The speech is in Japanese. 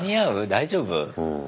大丈夫？